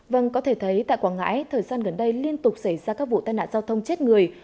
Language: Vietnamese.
vâng có thể thấy tại quảng ngãi thời gian gần đây liên tục xảy ra các vụ tai nạn giao thông chết người